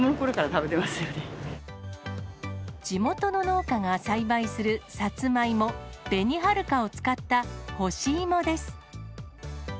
地元の農家が栽培するさつまいも、紅はるかを使った干し芋です。